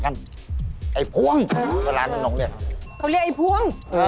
เขาเรียกไอ้พวง